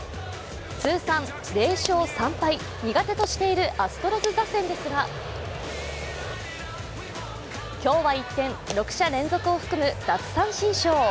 通算０勝３敗、苦手としているアストロズ打線ですが、今日は一転、６者連続を含む奪三振ショー。